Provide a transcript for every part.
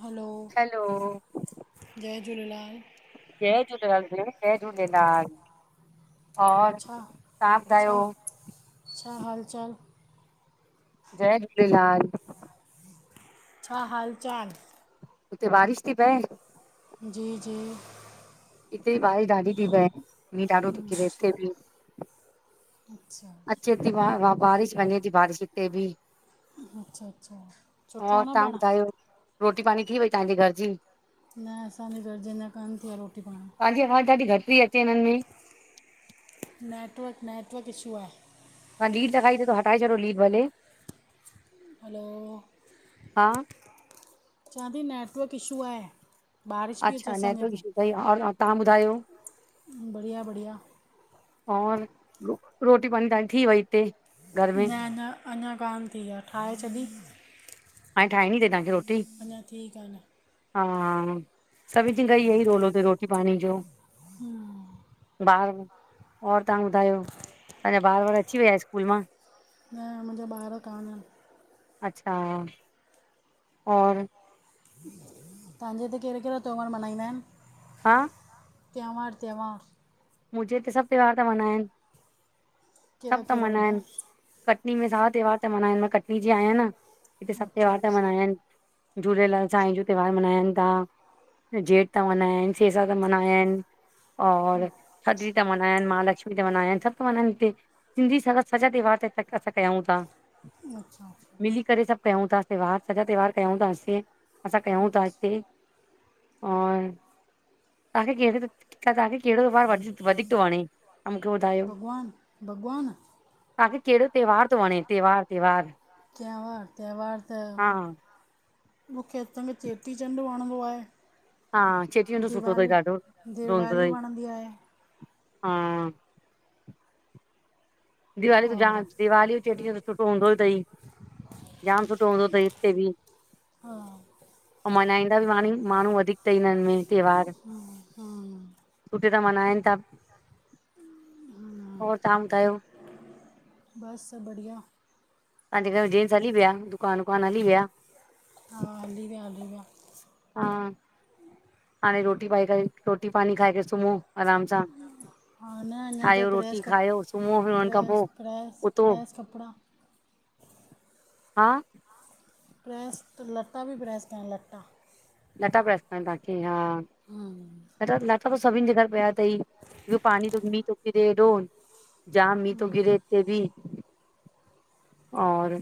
हलो, hello, जय झूलेलाल जय झूलेलाल भेण, जय झूलेलाल और छा तव्हां छा ॿुधायो? छा हाल चाल? जय झूलेलाल छा हाल चाल? उते बारिश थी पए? जी जी हिते बारिश डाढी थी पए, मींअ ॾाढो थो किरे हिते भी। अच्छा अचे थी बारिश वंञे थी बारिश हिते भी। अच्छा- अच्छा, सुठो और आ न तव्हां पाण। ॿुधायो? रोटी पाणी थी वेई तव्हांजे घर जी? न असांजे घर जी अंञां कान थी आ रोटी पाणी। तहांजीआवाज़ डाढी घट थी अचे हिनन में। नेटवर्क- नेटवर्क इशू आ। ह लीड त खाई थ त हटाए छॾो लीड भले। हलो हा चंआती नेटवर्क इशू आहे। बारिश पई अचे अच्छा असांजे नेटवर्क हिते, इशू अथई और और तव्हां ॿुधायो? बढ़िया- बढ़िया। और रोटी पाणी तांजी थी वई इते? न- न, अंञा कान थी आ, ठाहे छॾी। हाण ठाइणी थव तव्हखे रोटी? अंञा ठीकु आहे न। हा, सभिन चन ता [unintelligible] खां ई इहो ई रोलो थथई रोटी पाणी जो हम्म बार ब और तव्हां ॿुधायो असांजा ॿार बार अची विया स्कूल मां? ऐं मुंहिंजा ॿार कानन। अच्छा और तव्हांजे हिते कहिड़ा कहिड़ा त्योहार मल्हाईंदा आहिनि? हा। त्योहार, त्योहार मुंहिंजे हिते सभु त्योहार त मल्हाइनि कहिड़ा सभु त कहिड़ा मल्हाइनि। ॿुधाए कटनी में सारा त्योहार त मल्हानि मां कटनी जी आहियां न हिते सभु अच्छा त्योहार त मल्हा अच्छा आहिनि। झूलेलाल साईं जो त्योहार मल्हाइनि था जेठ था मल्हायनि सेसा था मल्हायनि और थदडी था मल्हायनि महालक्ष्मीा मल्हनि सभु त मल्हाइनि हिते। सिंधी स सॾा त्योहार ते असां कयूं था। अच्छा अछा मिली करे सभु कयूं था त्योहार सॼा त्योहार कयूं थासीं असां कयूं था हिते। और तव्हांखे कहिड़े तव्हांखे कहिड़ो त्योहार व वधीक थो वणे त मूंखे ॿुधायो। भॻवान भॻवान तव्हांखे कहिड़ो त्योहार थो वणे त्योहार त्योहार? त्योहार त्योहार त हा मूंखे हथां खे चेटीचंड वणंदो आहे। हा चेटीचंड सुठो अथई दीवाली ॾाढो सुठो हूंदो दीवाली अथई वणंदी आहे। हा दिवाली त जाम और दिवाली चेटींहं त सुठो हूंदो ई अथई जाम सुठो हूंदो अथई हिते बि। हा। ऐं मल्हाईंदा बि माणी माण्हू वधीक ईदांइ हिनन में त्योहार। हा सुठे सांह मल्हाइनि था, र तव्हां ॿुधायो? बस बढ़िया। तव्हजे घर मेंेंजेंटस हली विया दुकान वुकान हली विया? हा हली विया हली विया। हा। हाणे रोटी पाई करे रोटी पाणी खाए करे सुम्हो आराम सां। हा न अञा त ठाहियो प्रेस रोटी कप खायो सुम्हो फि हुन खां प्रेस प्रेस पोइ उथो। प्रेस कपिड़ा हा। प्रेस लटा बि प्रेस कयां लटा। न ता [inaudible] हम। ला लाटा त सभिनि जे घर पिया अथईियो पाणी मींहु थोो पीरे हेॾोन जाम मीय त गिरेे बि और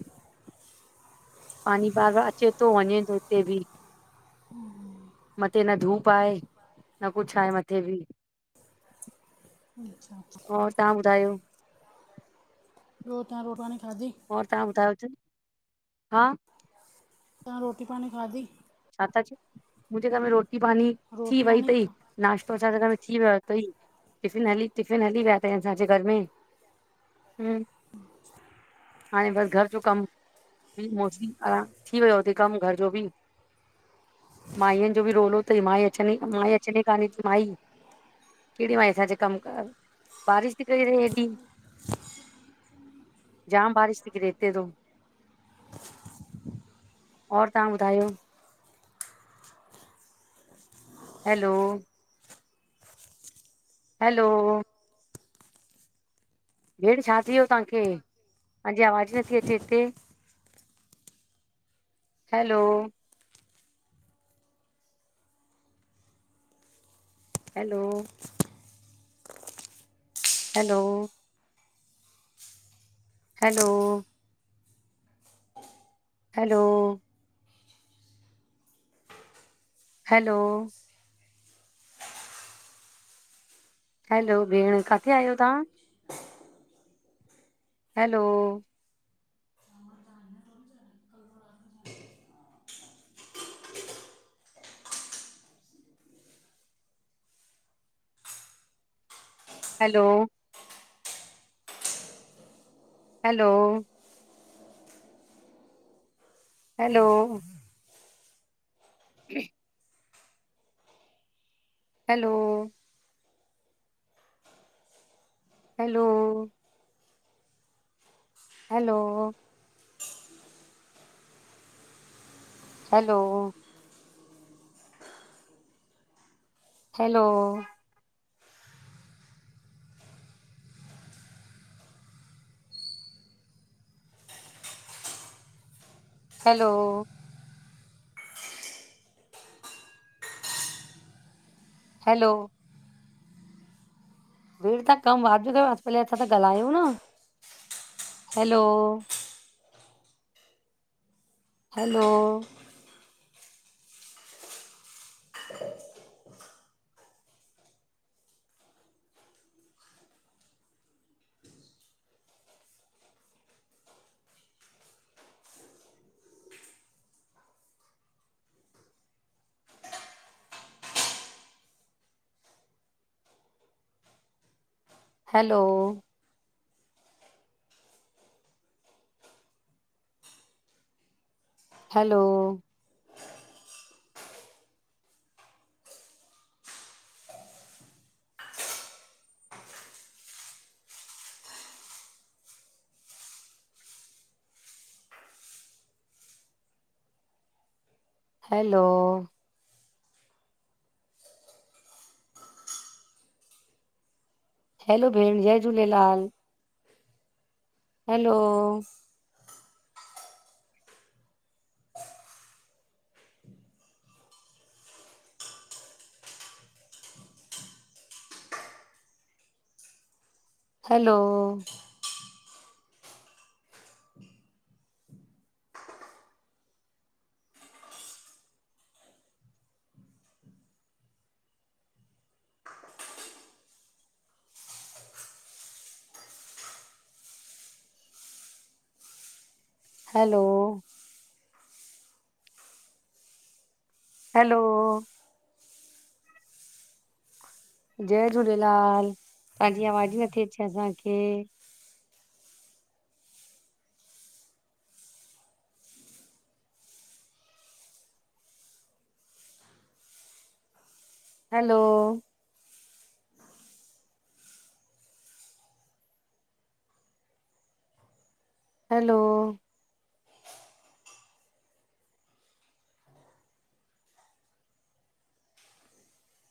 पानी बार अचे थो वञे थो उते बि मथे न धूप आहेए न कुझु आहे मथे बि अचछा ह तव्हां ॿुधायो? रो तवां रोटवानी खाधी? मर तव्हां ॿुधायोच, हा तव्हां रोटी पाणी खाधी? छा था मुंहिंजे घर में रोटी पानी थी रोटी वई तरई। पाणी नाश्तो असांजे घर में थी वियो अथई टिफ़िन हली टिफ़िन हली विया अथई असांजे घर में हम हाणे बसि घर जो कमु बि मोसी आराम थी वियो हुते कमु घर जो बि माईअनि जो बि रोलो अथई माई अची माई अचनी कान्हे थी माई कहिड़ी माई अच्छा अचेती कम करण बारिश ती पई रहे थी जाम बारिश थी की रेते थो [unintelligible] और तव्हां ॿुधायो हलो हलो भेण छा थियो तव्हांखे तव्हांजी आवाज़ ई नथी अचे हिते hello hello hello hello hello hello hello भेण किथे आहियो तव्हां हलो [unintelligible] हलो हलो हलो ह hello hello hello hello hello hello hello भीड़ त कम आ अॼु न पहले त गाल्हायूं न hello hello hello hello hello hello भेण जय Jhulelal hello hello hello hello जय झूलेलाल तव्हांजी आवाजी ई नथी अचे असांखे हलो [unintelligible] हलो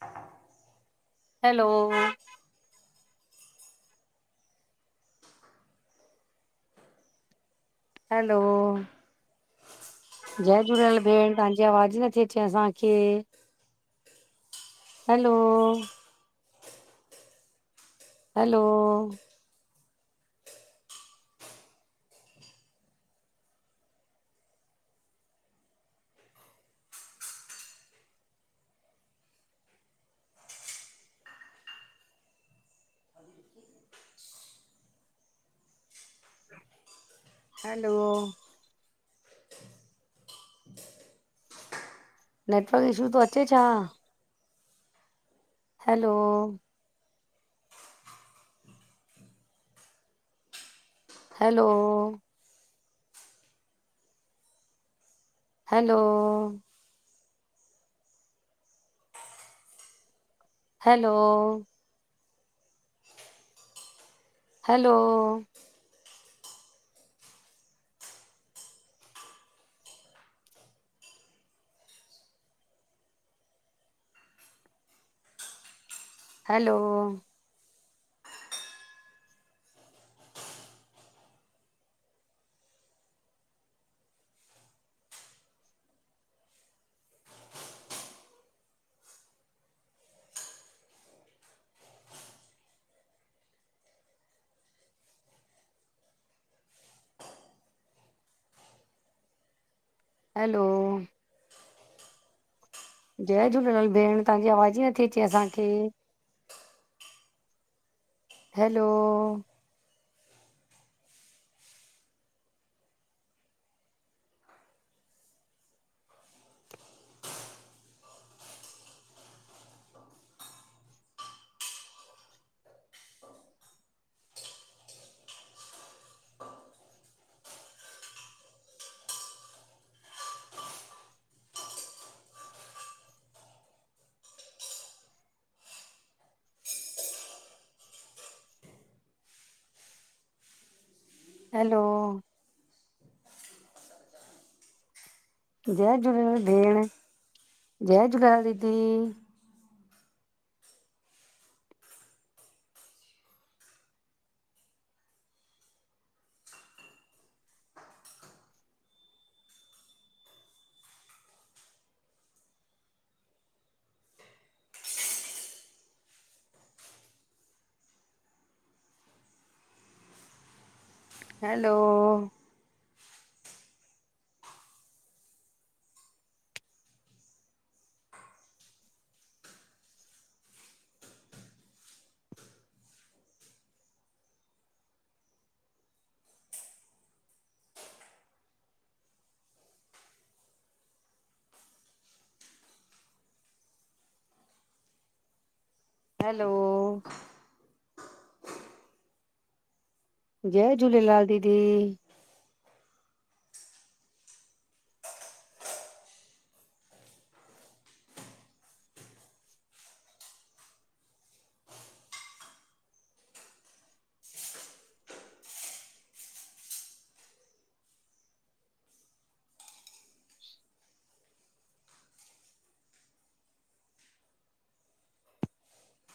हा हा [unintelligible] हैलो हलो जय झूलेलाल भेण तव्हांजी आवाज़ ई नथी अचे असांखे हलो हलो [unintelligible] हलो नेटवर्क इशू थो अचे छा? Hello hello hello hello hello hello hello जय झूलेलाल भेण तव्हांजी आवाज़ ई नथी अचे असांखे हलो हलो [unintelligible] जय झूलेलाल भेण, जय झूलेलाल दीदी हलो हलो जय झूलेलाल दीदी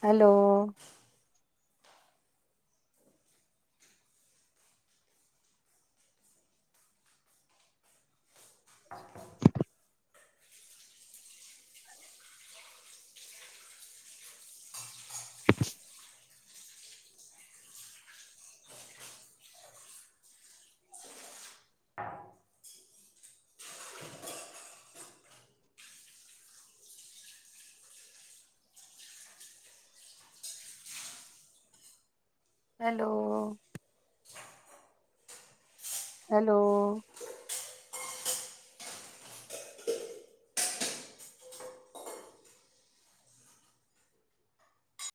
हलो [unintelligible] हलो हलो